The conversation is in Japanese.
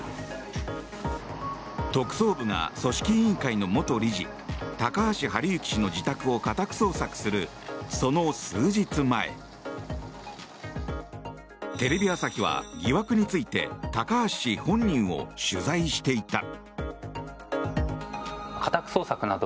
特捜部が組織委員会の元理事高橋治之氏の自宅を家宅捜索する、その数日前テレビ朝日は疑惑について高橋氏本人を取材していた。